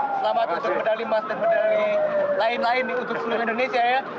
selamat untuk medali mas dan medali lain lain di seluruh indonesia ya